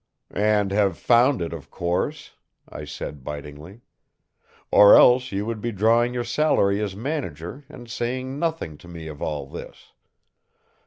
"And have found it, of course," I said bitingly. "Or else you would be drawing your salary as manager and saying nothing to me of all this!